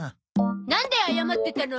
なんで謝ってたの？